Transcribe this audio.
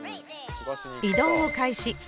移動を開始